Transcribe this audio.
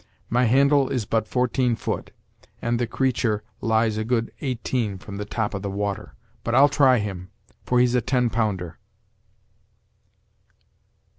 My handle is but fourteen foot, and the creator' lies a good eighteen from the top of the water: but I'll try him, for he's a ten pounder."